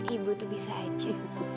ibu tuh bisa aja